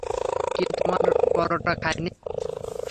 কেউ তোমার পরটা খায় নি!